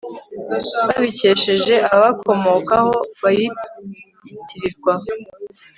babikesheje ababakomokaho bayitirirwa